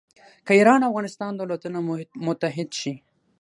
که ایران او افغانستان دولتونه متحد شي.